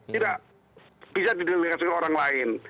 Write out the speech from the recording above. tidak bisa didiligasi oleh orang lain